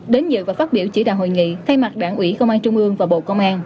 đến dự và phát biểu chỉ đạo hội nghị thay mặt đảng ủy công an trung ương và bộ công an